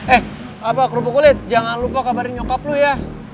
eh apa kerupuk kulit jangan lupa kabarin nyukap lu ya